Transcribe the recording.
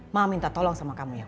maaf minta tolong sama kamu ya